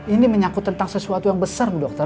ini menyaku tentang sesuatu yang besar dokter